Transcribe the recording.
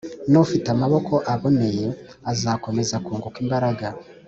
n’ufite amaboko aboneye azakomeza kunguka imbaraga